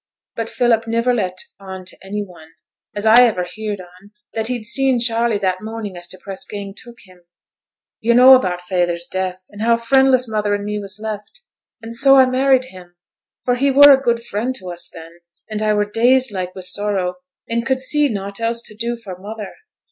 But Philip niver let on to any one, as I iver heared on, that he'd seen Charley that morning as t' press gang took him. Yo' know about feyther's death, and how friendless mother and me was left? and so I married him; for he were a good friend to us then, and I were dazed like wi' sorrow, and could see naught else to do for mother.